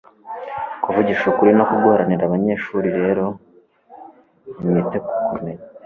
kuvugisha ukuri, no kuguharanira. banyeshuri rero nimwite ku kumenya